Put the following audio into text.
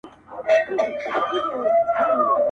چي د رقیب په وینو سره توره راغلی یمه!!